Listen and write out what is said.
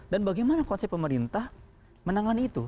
dan bagaimana konsep pemerintah menangani itu